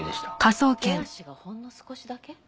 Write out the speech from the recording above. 手足がほんの少しだけ？